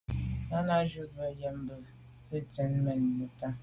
Náná cúp mbə̄ á gə̀ mə́ kɔ̌ nə̀ jɔ̌ŋ tsjə́n mɛ́n nə̀tá.